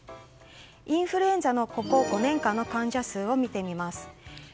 インフルエンザのここ５年間の患者数を見てみます。